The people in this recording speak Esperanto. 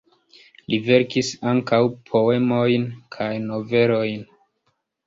Li verkis ankaŭ poemojn kaj novelojn.